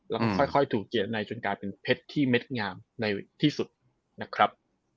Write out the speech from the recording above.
แล้วก็ค่อยถูกเจียดในจนกลายเป็นเพชรที่เม็ดงามในที่สุดนะครับ